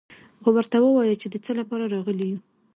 خو ورته ووايه چې د څه له پاره راغلي يو.